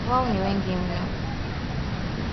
Wao ni wengi mno